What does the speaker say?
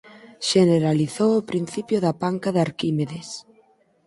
Xeneralizou o principio da panca de Arquímedes.